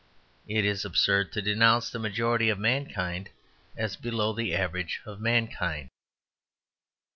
It is absurd to denounce the majority of mankind as below the average of mankind.